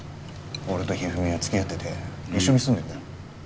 俺とひふみはつきあってて一緒に住んでんだよ。